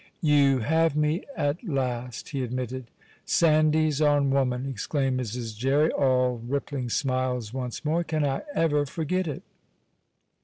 "You have me at last," he admitted. "'Sandys on Woman!'" exclaimed Mrs. Jerry, all rippling smiles once more. "Can I ever forget it!"